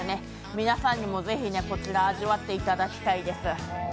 皆さんにもぜひこちら味わっていただきたいです。